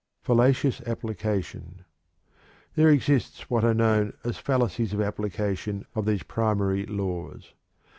FALLACIOUS APPLICATION. There exists what are known as "fallacies" of application of these primary laws.